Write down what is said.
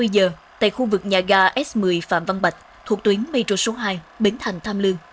hai mươi giờ tại khu vực nhà ga s một mươi phạm văn bạch thuộc tuyến metro số hai bến thành tham lương